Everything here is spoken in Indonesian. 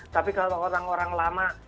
tapi kalau orang orang lama